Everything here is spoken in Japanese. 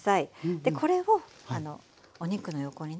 でこれをお肉の横にねちょっと。